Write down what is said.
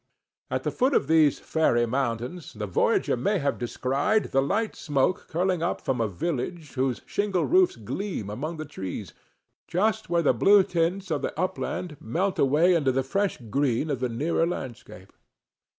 At the foot of these fairy mountains, the voyager may have descried the light smoke curling up from a village whose shingle roofs gleam among the trees, just where the blue tints of the upland melt away into the fresh green of the nearer landscape.